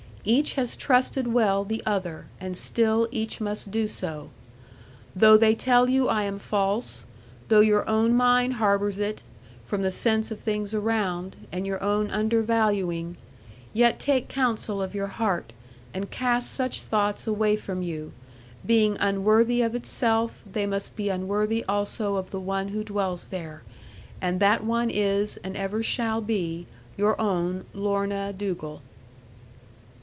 Each has trusted well the other; and still each must do so. Though they tell you I am false, though your own mind harbours it, from the sense of things around, and your own undervaluing, yet take counsel of your heart, and cast such thoughts away from you; being unworthy of itself they must be unworthy also of the one who dwells there; and that one is, and ever shall be, your own Lorna Dugal.'